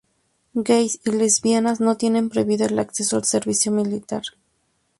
Gais y lesbianas no tienen prohibido el acceso al servicio militar.